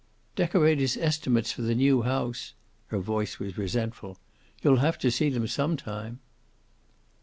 "Decorator's estimates for the new house." Her voice was resentful. "You'll have to see them some time."